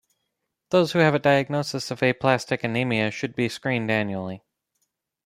Those who have a diagnosis of aplastic anemia should be screened annually.